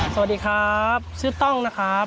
สวัสดีครับชื่อต้องนะครับ